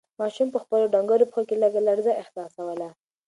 ماشوم په خپلو ډنگرو پښو کې لږه لړزه احساسوله.